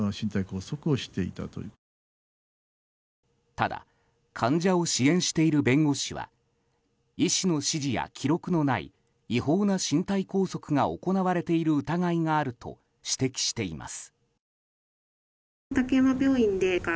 ただ患者を支援している弁護士は医師の指示や記録のない違法な身体拘束が行われている疑いがあると指摘しています。